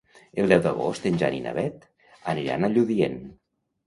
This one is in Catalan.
El deu d'agost en Jan i na Beth aniran a Lludient.